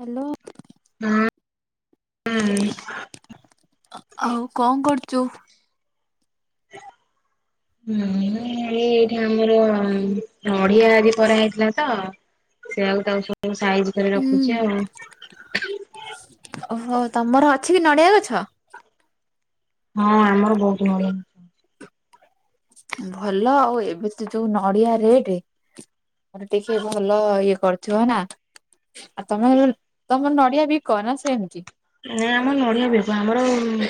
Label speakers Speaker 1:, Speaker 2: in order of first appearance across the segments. Speaker 1: Hello.
Speaker 2: ହଁ ହୁଁ।
Speaker 1: ଆଉ କଣ କରୁଛୁ?
Speaker 2: ହୁଁ ଏଇଠି ଆମର ନଡିିଆ ଆଜିି ପରା ହେଇଥିଲା ତ ସେଇଆକୁ ତାକୁ ସବୁ ସାଇଜ କରି
Speaker 1: ହୁଁ।
Speaker 2: ରଖୁଛି ଆଉ।
Speaker 1: ଓହୋ ତମର ଅଛି କି ନଡିଆ ଗଛ?
Speaker 2: ହଁ ଆମର ବହୁତ ନଡ଼ିଆ।
Speaker 1: ଭଲ ଆଉ, ଏବେ ତ ଯୋଉ ନଡିଆ ରେଟ। ମୋରେ ଟିକେ ଭଲ ଇଏ କରୁଥିବ ନା? ଆଉ ତମେ, ତମର ନଡିଆ ବି କ ନା ସେମିତି?
Speaker 2: ନାଇଁ ଆମର ନଡିଆ ବିକୁ, ଆମର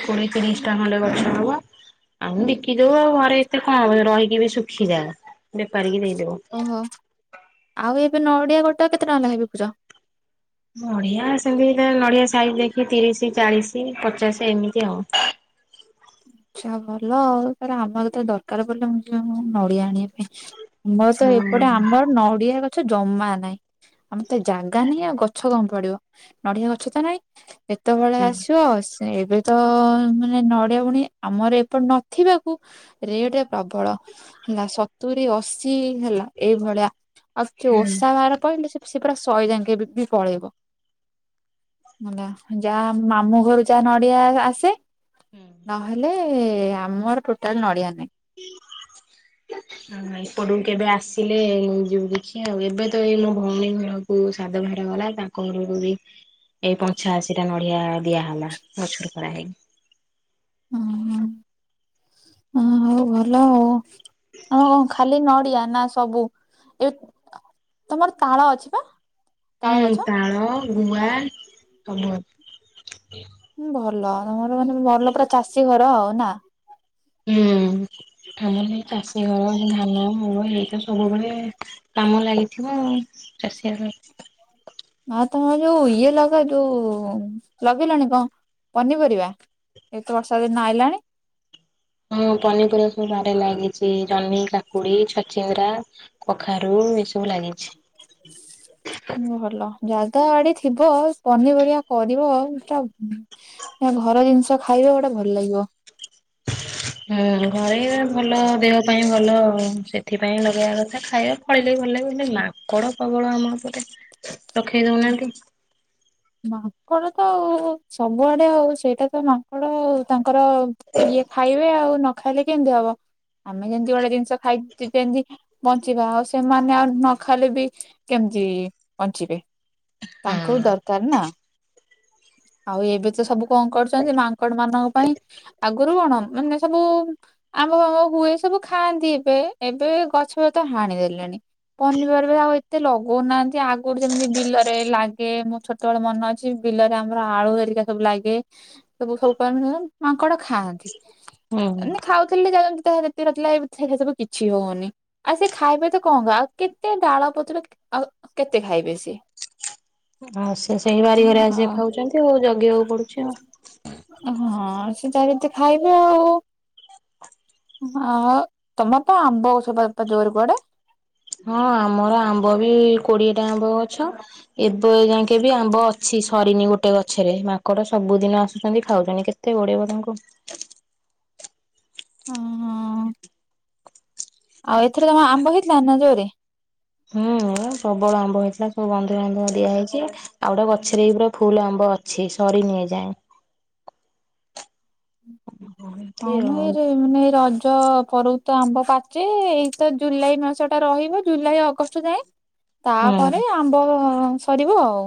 Speaker 2: କୋଡିଏ ତିରିଶ ଟା ଖଣ୍ଡେ ଗଛ ହବ। ଆଉ ବିକିଦଉ, ଆଉ ଘରେ ଏତେ କଣ ରହିକି ବି ଶୁଖିଯାଏ, ବେପାରୀକି ଦେଇଦଉ।
Speaker 1: ଓହୋ, ଆଉ ଏବେ ନଡିଆ ଗୋଟୋ କେତେ ଟଙ୍କା ଲେଖା ବିକୁଛ?
Speaker 2: ନଡିଆ ସେମିତି ନଡିଆ ସାଇଜ ଦେଖି ତିରିଶ, ଚାଳିଶ, ପଚାଶ ଏମିତି ଆଉ।
Speaker 1: ଆଛା ଭଲ ଆଉ, ତ ଆମର ତ ଦରକାର ପଡ଼ିଲେ, ମୁଁ ଯିବି ନଡିଆ ଆଣିବା ପାଇଁ। ଆମର ତ
Speaker 2: ହଁ
Speaker 1: ଏପଟେ ଆମର ନଡିଆ ଗଛ ଜମା ନାହିଁ। ଆମ ତ ଜାଗା ନାହିଁ ଆଉ ଗଛ କଣ ପଡିବ, ନଡିଆ ଗଛ ତ ନାଇଁ। ଏତେବେଳେ ଆସିବ
Speaker 2: ହୁଁ
Speaker 1: ସେ ଏବେ ତ ମାନେ ନଡ୍ ପୁଣି ଆମର ଏପଟ ନଥିବାକୁ ରେଟ ପ୍ରବଳ। ହେଲା ସତୁରି, ଅଶି ହେଲା ଏଇଭଳିଆ ଆଉ କିଛି ଓଷା ବାର ପାଇଲେ ସେ ସେ ପୁରା ଶହେ ଯାକେ ବି ପଳେଇବ। ହେଲା ଯାହା ମାମୁଁ ଘରୁ ଯାହା ନଡିଆ ଆସେ।
Speaker 2: ହୁଁ।
Speaker 1: ନହେଲେ ଆମର ଟୋଟାଲ ନଡିଆ ନାହିଁ।
Speaker 2: ହୁଁ ଏପଟକୁ କେବେ ଆସିଲେ ଯିବୁ ଦେଖି ଆଉ ଏବେ ତ ଏଇ ମୋ ଭଉଣୀ ଘରକୁ ସାଦ ଭାର ଗଲା ତା କହିବୁନି ଏଇ ପଞ୍ଚାଅଶି ଟା ନଡିଆ ଦିଆହଲା ଗଛୁରୁ ପରାହେଇକି।
Speaker 1: ହୁଁ ଉଁ ହ ହଉ ଭଲ ଆଉ। କଣ କଣ ଖାଲି ନଡିଆ ନା ସବୁ? ଏ ତମର ତାଳ ଅଛି ପା? ତାଳ
Speaker 2: ହୁଁ
Speaker 1: ଗଛ
Speaker 2: ତାଳ ଗୁଆ କମଳା
Speaker 1: ହୁଁ ଭଲ ତମର ମାନେ ଭଲ ପୁରା ଚାଷୀ ଘର ଆଉ ନା?
Speaker 2: ହୁଁ ଆମର ଏ ଚାଷୀ ଘର ଧାନ ମୁଳ ଏଇତ ସବୁବେଳେ କାମ ଲାଗିଥିବ ଚାଷିଘର
Speaker 1: ଆ ତମର ଯୋଉ ଇଏ ଲଗା ଯୋଉ ଲଗେଇଲଣି କଣ ପନିପରିବା? ଏଇତ ବର୍ଷା ଦିନ ଆଇଲାଣି।
Speaker 2: ହଁ ପନିପରିବା ସବୁ ବାଡିରେ ଲାଗିଛି ଜହ୍ନି କାକୁଡି ଛଚିନ୍ଦ୍ରା। କଖାରୁ ଏଇସବ
Speaker 1: ହଁ ଭଲ। ଜାଗା ବାଡି ଥିବ ପନିପରିବା କରିବ ସେଟା ହଁ ଘର ଜିନିଷ ଖାଇବ ଗୋଟେ ଭଲ ଲାଗିବ।
Speaker 2: ହୁଁ ଘରେ ଭଲ ଦେହ ପାଇଁ ଭଲ ସେଥିପାଇଁ ଲଗେଇବା କଥା ଖାଇବା ଇିଲେ ବି ଭଲ ଲାଗିବ ମାଙ୍କଡ଼ ପ୍ରବଳ ଆମ ଏପଟେ ରଖେଇ ଦଉନାହାଁନ୍ତି।
Speaker 1: ମାଙ୍କଡ ତ ସବୁଆଡେ ଆଉ ସେଇଟା ତ ମାଙ୍କଡ ଆଉ। ତାଙ୍କର ଇଏ ଖାଇବେ ଆଉ ନ ଖାଇଲେ କେମତି ହବ। ଆମେ ଯେମିତି ଗୋଡେ ଜିନିଷ ଖାଇଛୁ ଯେନ୍ତି ବଞ୍ଚିବା ଆଉ ସେମାନେ ଆଉ ନ ଖାଇଲେ ବି କେମିତି ବଞ୍ଚିବେ।
Speaker 2: ହଁ।
Speaker 1: ତାଙ୍କୁ ବି ଦରକାର ନା। ଆଉ ଏବେ ତ ସବୁ କଣ କରୁଛନ୍ତି ମାଙ୍କଡ ମାନଙ୍କ ପାଇଁ ଆଗ ଗୁରୁ କଣ ମାନେ ସବୁ ଆମ ଆମର ହୁଏ ସବୁ ଖାଆନ୍ତି ଏବେ ଏବେ ଗଛପତ୍ର ହାଣିଦେଲେଣି। ପନିପରିବା ଆଉ ଏତେ ଲଗଉନାହାନ୍ତି ଆଗରୁ ଯେମିତି ବିଲରେ ଲାଗେ ମୋ ଛୋଟବେେଳେ ମନେ ଅଛି ବିଲରେ ଆମର ଆଳୁ ଘରିକା ସବୁ ଲାଗେ ସବୁ ସବୁ ପା ମି ମାଙ୍କଡ ଖାଆନ୍ତି
Speaker 2: ହୁଁ
Speaker 1: ଏନ୍ତ ଖାଉ ଯାହା ଯେମତି ତାହା ଯେତିକଥିଲା ଏବେ ସେରା ସବୁ କିଛି ହଉନି। ଆଉ ସେ ଖାଇବେ ତ କଣ କହ ଆଉ କେତେ ଡାଳ ପତ୍ର ଆଉ କେତେ ଖାଇବେ ସେ
Speaker 2: ଆଉ ସେ ସେଇ ବାରି ଘରେ ଆସିକି ଖାଉଛନ୍ତି ଆଉ ଜଗିବାକୁ ପଡୁଛି ଆଉ।
Speaker 1: ହଁ ସେ ଚାରିତେ ଖାଇବେ ଆଉ। ମା ତମର ପା ଆମ୍ବଗଛପା ଜୋର କୁଆଡେ?
Speaker 2: ହଁ ଆମର ଆମ୍ବ ବି କୋଡିଏ ଟା ଆମ୍ବ ଅଛ। ଏବେ ଯାକେଁବି ଆମ୍ବ ଅଛି ସରିନି ଗୋଟେ ଗଛରେ ମାଙ୍କଡ ସବୁଦିନ ଆସୁଛନ୍ତି ଖାଉଛନ୍ତି କେ କେତେ ଘଉଡ଼େଇବ ତାଙ୍କୁ।
Speaker 1: ହ ହଁ ହଁ।
Speaker 2: ଆ
Speaker 1: ଆଉ ଏଥର କଣ ଆମ୍ବ ହେଇଥିଲା ନା ଯୋରେ?
Speaker 2: ହୁଁ ପ୍ରବଳ ଆମ୍ବ ହେଇଥିଲା ସବୁ ବନ୍ଧୁବାନ୍ଧୁ ଦିଆ ହେଇଚି। ଆଉ ଗୋଟେ ଗଛରେ ବି ପୁରା ଫୁଲ ଆମ୍ବ ଅଛି ସରିନିଏ ଯାଏଁ। ଏମିତି
Speaker 1: ହଁମ
Speaker 2: ଆଉ
Speaker 1: ଏଇରେ ମାନେ ଏଇ ରଜ ପ୍ରଭ ତ ଆମ୍ବ ପାଚେ ଏଇ ତ ଜୁଲାଇ ମାସ ଟା ରହିବ ଜୁଲାଇ ଅଗଷ୍ଟ ଯାଏଁ
Speaker 2: ହୁଁ
Speaker 1: ତାପରେ ଆମ୍ବ ସରିବ ଆଉ।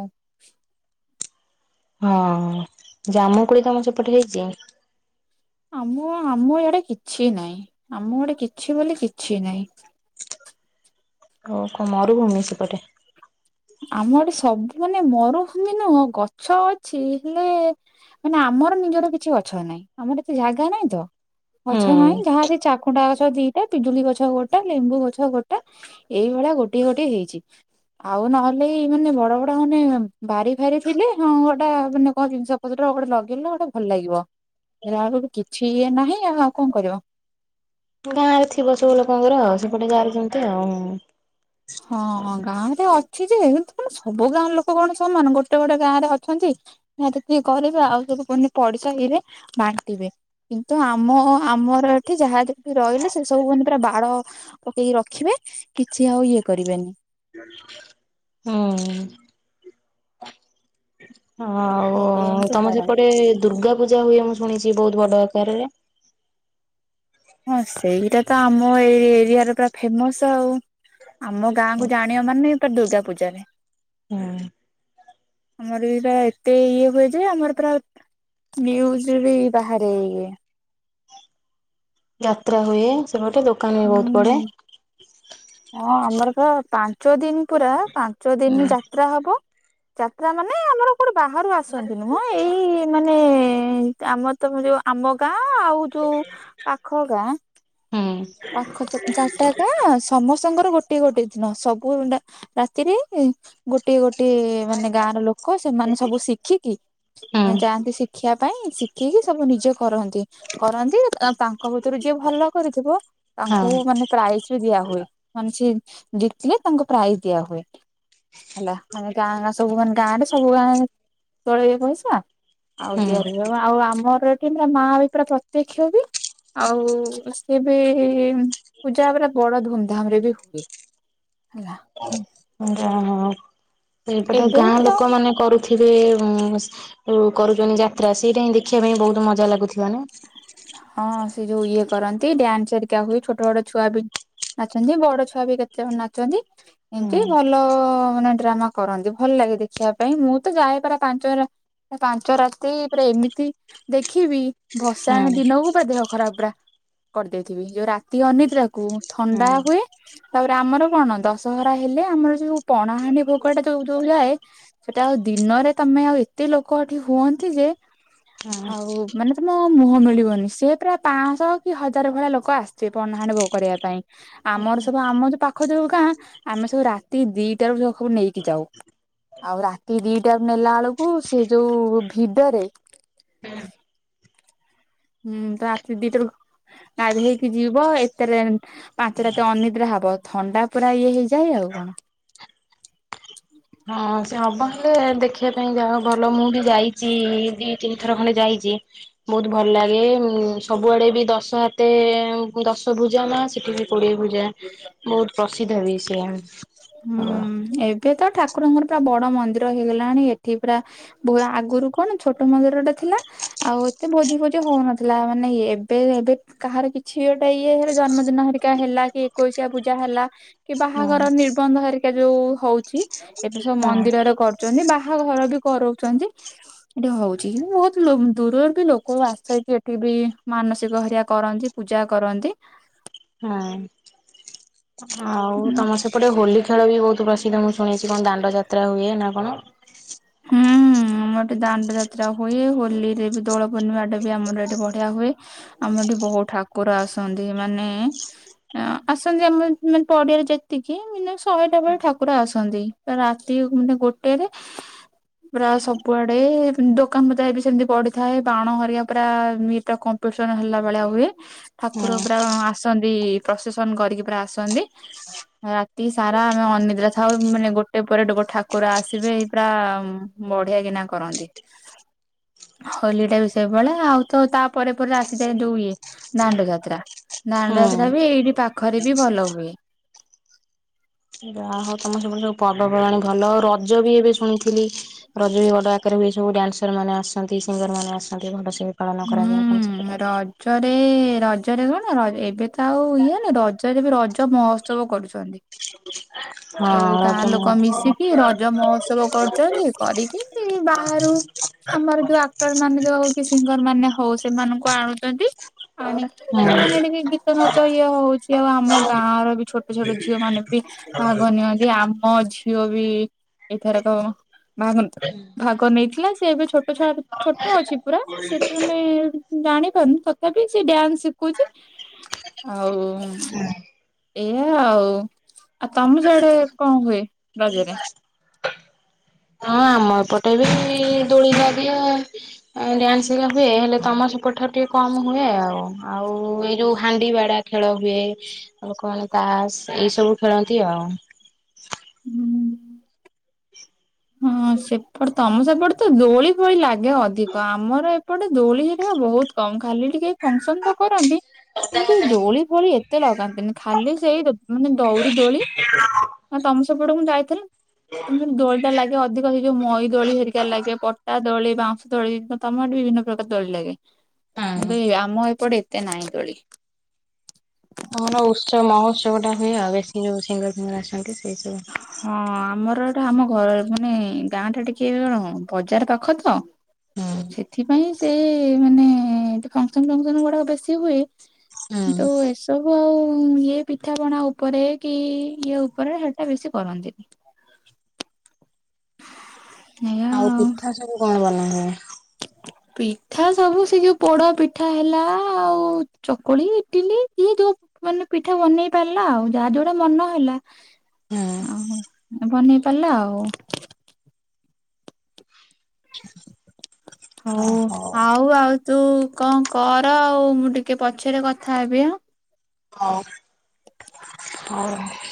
Speaker 2: ହଁ ଜାମୁ କୋଳି ତମ ସେପଟେ ହେଇଛି?
Speaker 1: ଆମ ଆମ ଏଡେ କିଛି ନାହିଁ ଆମ ଆଡେ କିଛି ବୋଲି କିଛି ନାହିଁ।
Speaker 2: ଓ ମୋରୁ ଭୂମି ସେପଟେ?
Speaker 1: ଆମ ଏଠେ ସବୁ ମାନେ ମରୁଭମି ନୁହଁ, ଗଛ ଅଛି ହେଲେ ମାନେ ଆମର ନିଜର କିଛି ଗଛ ନାହିଁ, ଆମର ଏତେ ଜାଗା ନାଇଁ ତ। ଅଛ ନାହିଁ
Speaker 2: ହୁଁ
Speaker 1: ଯାହା ସେ ଚାକୁଣ୍ଡା ଅଛ ଟା ପିଜୁଳି ଗଛ ଗୋଟା ଲେମ୍ବୁ ଗଛ ଗୋଟା ଏଇଭଳିଆ ଗୋଟିଏ ଗୋଟଏ ହେଇଛି, ଆଉ ନହେଲେ କ ମାନେ ବଡ ବଡ ମାନେ ବାରି ଫାରି ଥିଲେ ହଁ ଗୋଟା ମାନେ କଣ ଜିନିଷ ତଟା ଗୋଟେ ଲଗେଇଲା ଗୋଟେ ଭଲ ଲାଗିବ, ହେଲା ବକୁ କିଛିଏ ନାହିଁ ଆ ଆଉ କଣ କରିବ।
Speaker 2: ଗାଁ ରେ ଥିବ ସବୁ ଲୋକଙ୍କର ସେପଟେ ଗାରେ ଯେମିତି ଆଉ।
Speaker 1: ହଁ ହଁ ଗାଁ ଏ ଅଛି ଯେ କିୁ କଣ ସବୁ ଗାଁର ଲୋକ କଣ ସମାନ ଗୋଟେ ଗୋଟେ ଗାଁ ରେ ଅଛି। ନା ଟିକଏ କରିବେ ଆଉ ସୁ ପଢିସାରେ ବାଣ୍ଟିବେ। କିନ୍ତୁ ଆମ ତ ଆମ ଏଠି ଯାହା ଯି ରହିଲେ ସେ ସବୁ ମ ପୁରା ବାଳ ପକେଇକି ରଖିବେ କିଛି ଆଉ ଇଏ କରିବେନି।
Speaker 2: ହଁ। ହ ଆଉ
Speaker 1: ଏମିତି
Speaker 2: ତମେ
Speaker 1: କରନ୍ତି
Speaker 2: ସେପଟେ ଦୁର୍ଗା ପୂଜା ହୁଏ? ଶୁଣିଛି ବହୁତ ବଡ ଆକାରରେ।
Speaker 1: ହଁ ସେଇଟା ତ ଆମ ଏଇ ଏରିଆରେ ପୁରା ଫେମସ ଆଉ। ଆମ ଗାଁ କୁ ଜାଣିବ ମାନେ ଏ ଦୁର୍ଗା ପୂଜାରେ।
Speaker 2: ହଁ।
Speaker 1: ଆମର ବି ପୁରା ଏତେ ଇଏ ହୁଏ ଯେ ଆମର ୟୁଜ ବି ବାହାରେ ଇଏ
Speaker 2: ଯାତ୍ରା ହୁଏ ସେ ଗଟେ ଦୋକାନ ବି ବହୁତ ପଡ଼େ।
Speaker 1: ହୁଁ ହଁ ଆମର ପ ପାଞ୍ଚ ଦିନ ପୁରା ପାଞ୍ଚ ଦିନ
Speaker 2: ହୁଁ
Speaker 1: ଯାତ୍ରା ହବ। ଯାତ୍ରା ମାନେ ଆମର କୋଉଠି ବାହାରୁ ଆସନ୍ତିନି ମ ଏଇ ମାନେ ଆମ ତମେ ଯୋଉ ଆମ ଗାଁ ଆଉ ଯୋଉ ପାଖ ଗାଁ
Speaker 2: ହୁଁ।
Speaker 1: ପାଖ ଚାରିଟା ଗାଁ ସମସ୍ତଙ୍କର ଗୋଟେ ଗୋଟେ ଦିନ ସବୁ ରାତିରେ ଗୋଟିଏ ଗୋଟିଏ ମାନେ ଗାଁ ର ଲୋକ ସେମାନେ ସବୁ ଶିଖିକି
Speaker 2: ହୁଁ
Speaker 1: ଯାଆନ୍ତି ଶିଖିବା ପାଇଁ ଶି ଖିକି ସବୁ ନିଜେ କରନ୍ତି, କରନ୍ତି ଆଉ ତାଙ୍କ ଭିତରୁ ଯିଏ ଭଲ କରିଥିବ ତାଙ୍କୁ
Speaker 2: ହଁ
Speaker 1: ମାନେ ପ୍ରାଇଜ୍ ବି ଦିଆ ହୁଏ ମାନେ ସେ ଜିତିଲେ ତାଙ୍କୁ ପ୍ରାଇଜ୍ ଦିଆ ହୁଏ। ହେଲା ମାନେ ଗାଁ ଗାଁ ସବୁ ମାନେ ଗାଁ ରେ ସବୁ ଗାଁ [unintelligible] ଆଉ ତିଆରି
Speaker 2: ହୁଁ
Speaker 1: ଆଉ ଆମର ଏଠି ଆମର ମା ବି ପୁରା ପ୍ରତ୍ୟକ୍ଷ ବି ଆଉ ସେ ଏ ପୂଜା ପୁରା ବଡ ଧୁମଧାମ ରେ ବି ହୁଏ, ହେଲା।
Speaker 2: ଯାହା ହଉ ସେଇପଟେ
Speaker 1: ଏବେ
Speaker 2: ଗାଁ
Speaker 1: ତ
Speaker 2: ଲୋକ ମାନେ କରୁ ଥିବେ କରୁଛନ୍ତି ଯାତ୍ରା ସେଇଟା ହିଁ ଦେଖିବା ପାଇଁ ବହୁତ ମଜା ଲାଗୁଥିବ ନା?
Speaker 1: ହଁ ସେ ଯୋଉ ଇଏ କରନ୍ତି ଡ୍ୟାନ୍ସ ହେରିକା ହୁଏ ଛୋଟ ଛୋଟ ଛୁଆ ବି ନାଚନ୍ତି ବଡ ଛୁଆ ବି କେତେ ଜଣ ନାଚନ୍ତି। ଏମିତି
Speaker 2: ହୁଁ
Speaker 1: ଭଲ ମାନେ ଏମିତି ଡ୍ରାମା କରନ୍ତି ଭଲ ଲାଗେ ଦେଖିବା ପାଇଁ ମୁଁ ତ ଯାଏ ପାରା ପାଞ୍ଚ ରା ପାଞ୍ଚ ରାତି ପୁରା ଏମିତି ଦେଖିବି ଭ ତା
Speaker 2: ହଁ
Speaker 1: ଆର ଦିନକୁ ଦେହ ଖରାପ ପୁରା। କରିଦେଇଥିବି ଯୋଉ ରାତି ଅନିିଦ୍ରାକୁ
Speaker 2: ହଁ
Speaker 1: ଥଣ୍ଡା ହୁଏ। ତାପରେ ଆମର କଣ ଦଶହରା ହେଲେ ଆମର ଯୋଉ ପଣାହାଣ୍ଡି ଭୋଗ ଟା ଯୋଉ ଯୋଉ ଯାଏ। ସେଟା ଆଉ ଦିନରେ ତମେ ଆଉ ଏତେ ଲୋକ ଏଠି ହୁଅନ୍ତି ଯେ
Speaker 2: ହଁ।
Speaker 1: ଆଉ ମାନେ ତମ ମୁହଁ ମିଳିବନି ସିଏ ପୁରା ପ୍ରାୟ ପାଆଁଶହ କି ହଜାରେ ଭଳିଆ ଲୋକ ଆସିଥିବେ ପଣା ହାଣ୍ଡି ଭୋଗ କରିବା ପାଇଁ। ଆମର ସବୁ ଆମ ଯୋଉ ପାଖ ଯୋଉ ଗାଁ ଆମେ ସବୁ ରାତି ଦିଟାରୁ ସବୁ ନେଇକି ଯାଉ। ଆଉ ରାତି ଦିଟାରୁ ନେଲା ବେଳକୁ ସିଏ ଯୋଉ ଭିଡରେ ହୁଁ ରାତି ଦିଟାରୁ ଗାଧେଇକି ଯିବ ଏତେ ରେନ୍ ପାଞ୍ଚରାତି ଅନିଦ୍ରା ହବ ଥଣ୍ଡା ପୁରା ଇଏ ହେଇଯାଏ ଆଉ କଣ। [inaudible]
Speaker 2: ହଁ ସେ ହବ ହେଲେ ଦେଖିବା ପାଇଁ ଯାଅ ଭଲ ମୁଁ ବି ଯାଇଚି ଦି ତିନି ଥର ଖଣ୍ଡେ ଯାଇଚି। ବହୁତ୍ ଭଲ୍ ଲାଗେ ଉ ସବୁଆଡେ ବି ଦଶ ହାତେ ଦଶ ଭୂଜା ମା ସେଠି ବି କୋଡ଼ିଏ ଭୁଜା ବହୁତ୍ ପ୍ରସିଦ୍ଧ ବି ସିଏ।
Speaker 1: ହୁଁ ଏଠି ତ ଠାକୁରଙ୍କର ପୁରା ବଡ ମନ୍ଦିର ହେଇଗଲାଣି ଏଠି ପୁରା ବୋ ଆଗରୁ କଣ ଛୋଟ ମନ୍ଦିର ଟେ ଥିଲା। ଆଉ ଏତେ ଭୋଜି ଫୋଜି ହଉନଥିଲା ମାନେ ଏବେଏବେ କାହାର କିଛି ଗୋଟେ ଇଏ ହେଲେ ଜନ୍ମଦିନ ହେରିକା ହେଲା କି ଏକୋଇଶିଆ ପୂଜା ହେଲା। କି
Speaker 2: ହଁ
Speaker 1: ବାହାଘର ନିର୍ବନ୍ଧ ହେରିକା ଯୋଉ ହେଉଛି ଏବେ ସବୁ ମନ୍ଦିରରେ କରୁ ଚନ୍ତି ବାହାଘର ବି କରଉଚନ୍ତି। ଏଠି ହେଉଚି କି ବହୁତ ଦୂରରୁ ବି ଲୋକ ଆସକି ଏଠି ବି ମାନସିକ ହେରିକା କରନ୍ତି। ପୂଜା କରନ୍ତି।
Speaker 2: ହଁ ଆଉ
Speaker 1: ଉଁ
Speaker 2: ତମର ସେପଟେ ହୋଲି ଖେ ଖେଳ ବି ବହୁତ ପ୍ରସିଦ୍ଧ ମୁଁ ଶୁଣିଚି କଣ ଦାଣ୍ଡ ଯାତ୍ରା ହୁଏ ନା କଣ?
Speaker 1: ହୁଁ ହୁଁ। ଏଠି ଦାଣ୍ଡ ଯାତ୍ରା ହୁଏ ହୋଲିରେ ବି ଦୋଳ ପୂର୍ଣିମା ଟା ବି ଆମର ଏଠି ବଢିଆ ହୁଏ। ଆମର ଏଠି ବହୁତ୍ ଠାକୁର ଆସନ୍ତି ମାନେ ଆସନ୍ତି ଆମ ମାନେ ପଡିଆରେ ଯେତିକି ମିନିମମ୍ ଶହେଟା ଭଳି ଠାକୁର ଆସନ୍ତି। ରାତି ମାନେ ଗୋଟେରେ। ପୁରା ସବୁଆଡେ ଦୋକାନ ବଜାର ସେମିତି ପଡିଥାଏ ବାଣ ହେରିକା ପୁରା ଇଏଟା କ କମ୍ପିଟେସନ୍ ହେଲା ଭଳିଆ ହୁଏ
Speaker 2: ହୁଁ
Speaker 1: ଠାକୁର ପୁରା ଆସନ୍ତି ପ୍ରସେସନ୍ କରିକି ପୁରା ଆସନ୍ତି। ରାତି ସାରା ଆମେ ଅନିଦ୍ରା ଥାଉ ମାନେ ଗୋଟେ ପରେ ଗୋ ଠାକୁର ଆସିବେ ପୁରା ହୁଁ ବଢିଆ କିନା କରନ୍ତି। ହୋଲିଟା ବି ସେଇଭଳିଆ ଆଉ ତା ତାପରେ ପରେ ଆସିଯାଏ ଦୁଇଏ ଦାଣ୍ଡ ଯାତ୍ରା ଦାଣ୍ଡ
Speaker 2: ହୁଁ।
Speaker 1: ଯାତ୍ରା ବି ଏଇଠି ପାଖରେ ବି ଭଲ ହୁଏ।
Speaker 2: ଯା ହଉ ତମ ସେପଟେ ସବୁ ପର୍ବପର୍ବାଣି ଭଲ ରଜ ବି ଏବେ ଶୁଣିଥିଲି ରଜ ବି ବଡ଼ ଆକାରରେ ହୁଏ ସବୁ ଡ୍ୟନ୍ସର ମାନେ ଆସନ୍ତି ସିଙ୍ଗର ମାନେ ଆସନ୍ତି ଭଲସେ। ପାଳନ କରାଯାଏ ତ ସେପଟେ।
Speaker 1: ଜରେ ରଜରେ କଣ ଏବେ ତ ଆଉ ଇଏ ନେ ରଜରେ ବି ରଜ ମହୋତ୍ସବ କରୁଛନ୍ତି।
Speaker 2: [inaudible] ହଁ
Speaker 1: ସବୁ ଗାଁ
Speaker 2: ରଜ
Speaker 1: ଲୋକ
Speaker 2: ମହୋତ୍ସବ
Speaker 1: ମିଶିକି ରଜ ମହୋତ୍ସବ କରୁଚନ୍ତି କରିକି ବାହାରୁ ଆମର ଯୋଉ ଆ ଡଟର ମାନେ ଯୋଉ ହଉ କି ସିଙ୍ଗର ମାନେ ହଉ ସେମାନଙ୍କୁ ଆଣୁଛନ୍ତି ଆଣିକି
Speaker 2: ହଁ।
Speaker 1: ସେମାନେ କି ନାଚ ନାଚ ଇଏ ହଉଛି ଆଉ ଆମ ଗାଁ ର ବି ଛୋଟ ଛୋଟ ଝିଅ ମାନେ ବି ଭାଗ ନିଅନ୍ତି ଆମ ଝିଅ ବି ଏଇଥରକ [unintelligible] ଭାଗ ନେଇଥିଲା, ସେ ଏବେ ଛୋଟ ଛ ଛୋଟ ଅଛି ପୁରା ସେଥି ମାନେ [unintelligible] ଜାଣିପାରୁନୁ ତଥାପି ସେ ଡ୍ୟାନ୍ସ ଶିଖୁଛି, ଆଉ ଏଇଆା ଆଉ ଆଉ ତମ ଯଆଡେ କଣ ହୁଏ ରଜରେ?
Speaker 2: ହଁ ଆମ ଏପଟେ ବି ଦୋଳି ଲାଗେ ଆଉ। ଡ୍ୟାନ୍ସଇା ହୁଏ ହେଲେ ତମ ସପୁଠାରୁ ଟିକେ କମ ହୁଏ ଆଉ ଆଉ ଏଇ ଯୋଉ ହାଣ୍ଡି ବାଡା ଖେଳ ହୁଏ ଲୋକମାନେ ତାସ୍ ଏଇସବୁ ଖେଳନ୍ତି ଆଉ।
Speaker 1: ହୁଁ। ହଁ ସେପଟେ ତମ ସେପଟେ ତ ଦୋଳି ଭଳି ଲାଗେ ଅଧିକ, ଆମର ଏପଟେ ଦୋଳି ହେରି ବହୁତ କ ଖାଲି ଟିକେ ଫସନ ତ କରନ୍ତି କିନ୍ତୁ ଦୋଳି ଫୋଳି ଏତେ ଲଗାନ୍ତିନି, ଖାଲି ସେଇ ମାନେ ଦଉରି ଦୋଳି ନା ତମ ସେପଟକୁ ଯାଇଥିଲ ତମେ ଦୋଳି ଲାଗେ ଅଧିକ ସେଇ ଯୋଉ ମଇ ଦୋଳି ହେରିକା ଲାଗେ ପଟା ଦୋଳି ବାଉଁ ଦୋଳି ତମରଠ ବିଭିନ୍ନ ପ୍ରକାର ଦୋଳି ଲାଗେ
Speaker 2: ହଁ।
Speaker 1: କିନ୍ତୁ ଏ ଆମ ଏପଟେ ଏତେ ନାହିଁ ଦୋଳି।
Speaker 2: ତମର ଉତ୍ସବ ମହୋତ୍ସବ ଟା ହୁଏ ଆଉ ବେଶୀ ଯୋଉ ସିଙ୍ଗ ଫିଙ୍ଗର ଆସନ୍ତି ସେଇ ସବୁ।
Speaker 1: ହଁ ଆମର ଏଟା ଆମ ଘ ମାନେ ଗାଁ ଟା ଟିକେ କଣ ବଜାର ପାଖ ତ।
Speaker 2: ହୁଁ
Speaker 1: ସେଥିପାଇଁ ସେ ମାନେ ଫଙ୍କସନ ଫଙ୍କସନ ଗୁଡାକ ବେଶୀ ହୁଏ
Speaker 2: ହୁଁ।
Speaker 1: [unintelligible] ସବୁ ଆଉ ଇଏ ପିଠା ପଣା ଉପରେ କି ଇଏ ଉପରେ ସେଟା ବେଶୀ କରନ୍ତିନି। [unintelligible]
Speaker 2: ଆଉ ପିଠା ସବୁ କଣ ବନାନ୍ତି?
Speaker 1: ପିଠା ସବୁ ସେ ଯୋଉ ପୋଡା ପିଠା ହେଲା ଆଉ ଚକୁଳି ଇଟିଲି ଇଏ ଯୋଉ ମାନେ ପିଠା ବନେଇ ପାରିଲା ଆଉ ଯାହା ଯୋଉଟା ମନ ହେଲା।
Speaker 2: ହୁଁ।
Speaker 1: ଓ ବନେଇ ପାରିଲା ଆଉ। ହଉ ଆଉ ଆଉ ତୁ କଣ କର ଆଉ ମୁଁ ଟିକେ ପଛରେ କଥା ହେବି ଆ।
Speaker 2: ହଉ ହଉ।